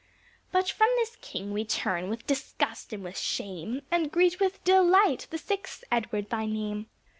But from this King we turn with disgust and with shame, And greet with delight, the sixth Edward by name.